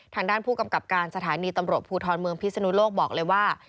ทางด้านผู้กำกับการสถานีตำรวจภูทรเมืองพิศนุโลกบอกเลยว่า